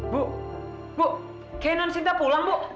bu bu kayaknya nonsinta pulang bu